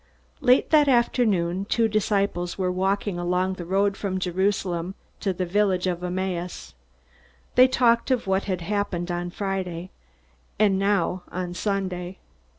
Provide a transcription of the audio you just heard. Late that afternoon, two disciples were walking along the road from Jerusalem to the village of Emmaus. They talked of what had happened on Friday, and now on Sunday.